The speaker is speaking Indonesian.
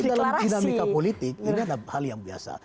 tapi dalam dinamika politik ini adalah hal yang biasa